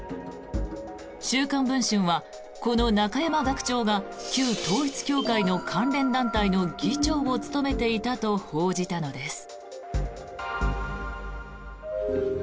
「週刊文春」はこの中山学長が旧統一教会の関連団体の議長を務めていたと報じたのです。